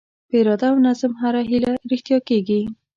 په اراده او نظم هره هیله رښتیا کېږي.